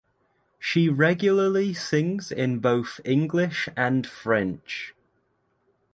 She regularly sings in both English and French.